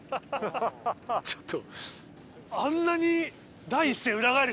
ちょっと。